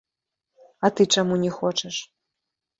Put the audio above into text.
А ты чаму не хочаш?